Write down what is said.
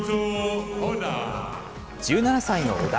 １７歳の小田。